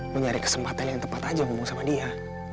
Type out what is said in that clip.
mencari kesempatan yang tepat aja ngomong sama dia